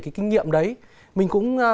cái kinh nghiệm đấy mình cũng